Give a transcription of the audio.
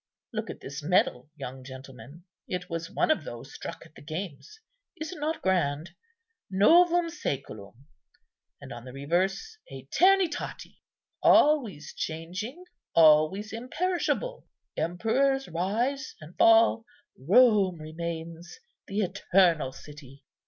Look at this medal, young gentleman; it was one of those struck at the games. Is it not grand? 'Novum sæculum,' and on the reverse, 'Æternitati.' Always changing, always imperishable. Emperors rise and fall; Rome remains. The eternal city!